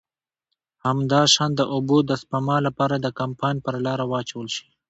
همداشان د اوبو د سپما له پاره د کمپاین پر لاره واچول شي.